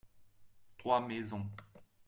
trois maisons.